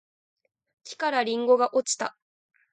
木からりんごが落ちた